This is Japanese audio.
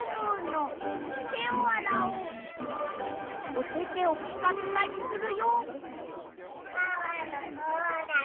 おててをピカピカにするよ！